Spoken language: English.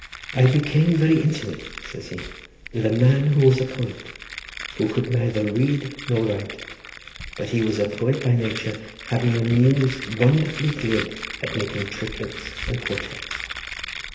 "I became very intimate," says he, "with a man who was a poet; he could neither read nor write, but he was a poet by nature, having a muse wonderfully glib at making triplets and quartets.